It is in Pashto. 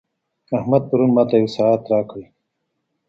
احمد پرون ماته یو ساعت راکړی.